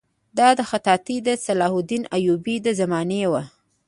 دا خطاطي د صلاح الدین ایوبي د زمانې وه.